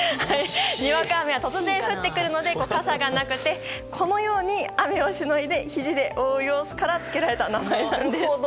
にわか雨は突然、降ってくるので笠がなくてこのように雨をしのいでひじで覆う様子からつけられた名前なんです。